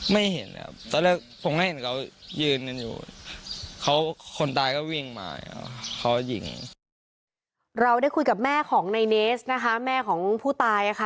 แม่ของผู้ตายนะครับ